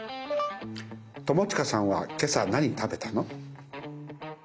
友近さんは今朝何食べたの。